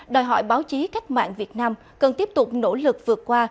đòi hỏi báo chí cách mạng việt nam cần tiếp tục nỗ lực vượt qua